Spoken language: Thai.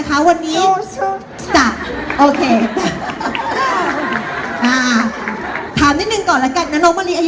กลิ่นหลอด